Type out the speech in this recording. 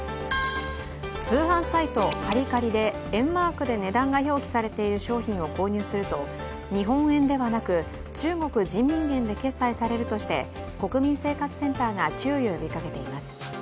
通販サイト、Ｃａｌｌｉ−Ｃａｌｌｉで￥マークで値段が表記されている商品を購入すると日本円ではなく、中国人民元で決済されるとして国民生活センターが注意を呼びかけています。